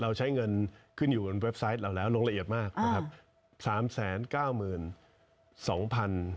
เราใช้เงินขึ้นอยู่ในเว็บไซต์เราแล้วลงละเอียดมากนะครับ